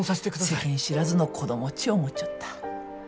世間知らずの子供っち思っちょった。